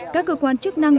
các cơ quan chức năng